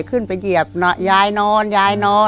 ขึ้นไปเหยียบยายนอนยายนอน